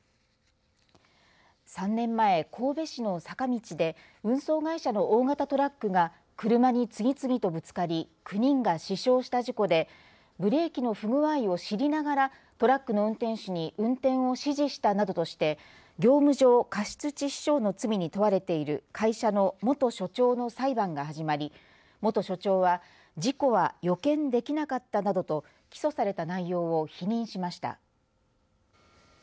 ３年前神戸市の坂道で運送会社の大型トラックが車に次々とぶつかり９人が死傷した事故でブレーキの不具合を知りながらトラックの運転手に運転を指示したなどとして業務上過失致死傷の罪に問われている会社の元所長の裁判が始まり元所長は、事故は予見できなかったなどと起訴された内容を否認しました。